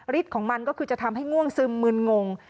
ของมันก็คือจะทำให้ง่วงซึมมืนงง